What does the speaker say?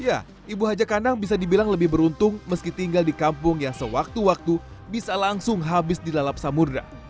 ya ibu haja kanang bisa dibilang lebih beruntung meski tinggal di kampung yang sewaktu waktu bisa langsung habis dilalap samudera